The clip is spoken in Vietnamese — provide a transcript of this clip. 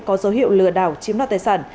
có dấu hiệu lừa đảo chiếm đoạt tài sản